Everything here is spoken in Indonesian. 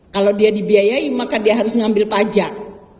kalau dia dibiayai maka dia harus mengambil pajak